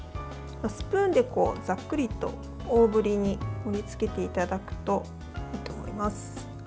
スプーンでざっくりと大ぶりに盛りつけていただくといいと思います。